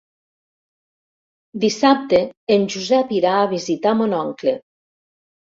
Dissabte en Josep irà a visitar mon oncle.